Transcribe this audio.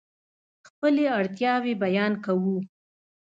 خپلې اړتیاوې بیان کوو.